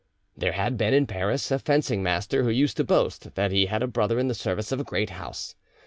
There had been in Paris a fencing master who used to boast that he had a brother in the service of a great house.